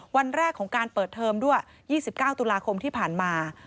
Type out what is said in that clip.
วันแรกของการเปิดเทอมด้วย๒๙ตุลาคมที่ผ่านมา